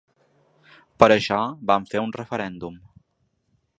Per això vam fer un referèndum.